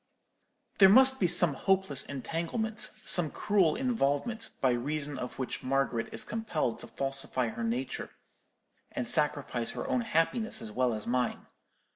"There must be some hopeless entanglement, some cruel involvement, by reason of which Margaret is compelled to falsify her nature, and sacrifice her own happiness as well as mine.